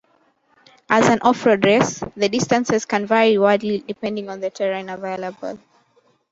As an off-road race, the distances can vary widely depending on the terrain available.